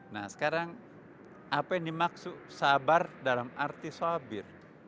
nah sekarang apa yang dimaksud sabar dalam arti sobir